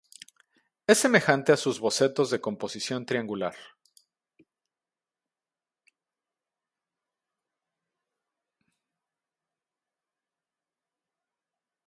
Es semejante a sus bocetos de composición triangular.